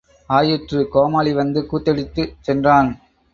ஆயிற்று, கோமாளி வந்து கூத்தடித்துச் சென்றான்.